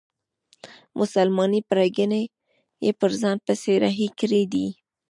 مسلمانې پرګنې یې په ځان پسې رهي کړي دي.